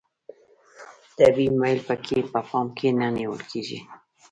طبیعي میل پکې په پام کې نه نیول کیږي.